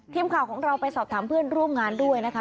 ทีมข่าวของเราไปสอบถามเพื่อนร่วมงานด้วยนะคะ